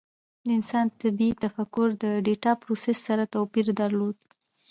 د انسان طبیعي تفکر د ډیټا پروسس سره توپیر درلود.